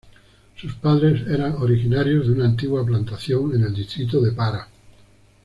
Sus padres eran originarios de una antigua plantación en el distrito de Para.